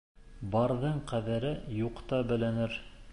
Барҙың ҡәҙере юҡта беленер.